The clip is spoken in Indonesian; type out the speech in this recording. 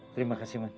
terima kasih man